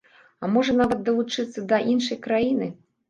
А, можа, нават далучыцца да іншай краіны.